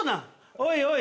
おいおい。